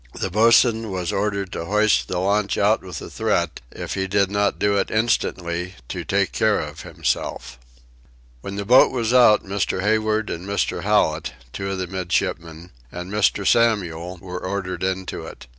The boatswain was ordered to hoist the launch out with a threat if he did not do it instantly TO TAKE CARE OF HIMSELF. When the boat was out Mr. Hayward and Mr. Hallet, two of the midshipmen, and Mr. Samuel, were ordered into it.